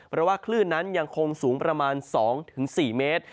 เพราะว่าคลื่นนั้นยังคงสูงประมาณ๒๔เมตร